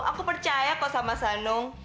aku percaya kok sama mas danung